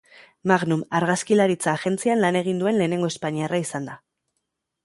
Magnum argazkilaritza-agentzian lan egin duen lehenengo espainiarra izan da.